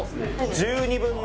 １２分の１。